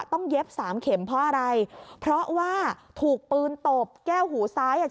เย็บสามเข็มเพราะอะไรเพราะว่าถูกปืนตบแก้วหูซ้ายอ่ะ